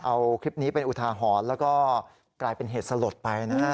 เอาคลิปนี้เป็นอุทาหรณ์แล้วก็กลายเป็นเหตุสลดไปนะฮะ